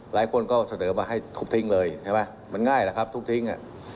หลายคนก็เสนอมาให้ทุบทิ้งเลยใช่ไหมมันง่ายแหละครับทุบทิ้ง